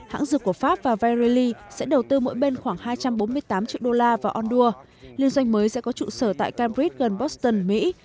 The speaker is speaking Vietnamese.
hãng dược của pháp và verily sẽ đầu tư mỗi bên khoảng hai trăm bốn mươi tám triệu đô la vào ondua liên doanh mới sẽ có trụ sở tại cambrid gần boston mỹ